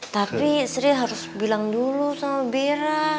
tapi sri harus bilang dulu sama bira